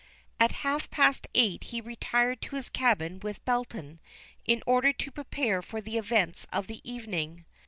At half past eight he retired to his cabin with Belton, in order to prepare for the events of the evening.